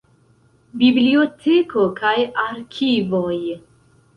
Biblioteko kaj arkivoj.